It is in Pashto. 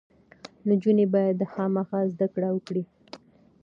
نجونې باید خامخا زده کړې وکړي.